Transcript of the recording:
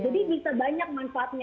jadi bisa banyak manfaatnya